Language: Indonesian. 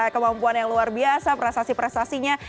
kemampuan yang luar biasa prestasi prestasinya